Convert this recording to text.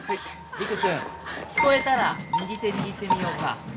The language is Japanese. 陸くん聞こえたら右手握ってみようか。